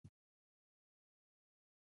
د ځګر سرطان د هپاتایتس وروسته رامنځته کېږي.